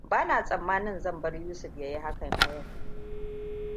Ba na tsammanin zan bar Yusuf ya yi hakan a yau.